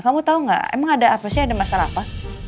kamu tau gak emang ada apa sih ada masalah apa